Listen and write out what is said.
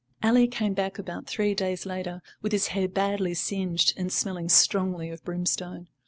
Ally came back about three days later with his hair badly singed and smelling strongly of brimstone.